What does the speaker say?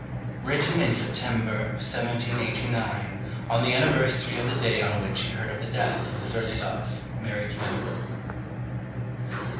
[Written in September, 1789, on the anniversary of the day on which he heard of the death of his early love, Mary Campbell.